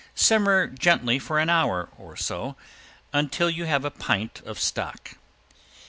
Simmer gently for an hour or so until you have a pint of stock.